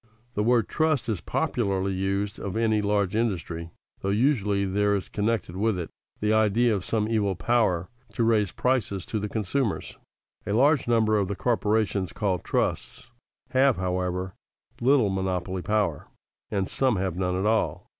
The word trust is popularly used of any large industry, though usually there is connected with it the idea of some evil power to raise prices to the consumers. A large number of the corporations called trusts have, however, little monopoly power, and some have none at all.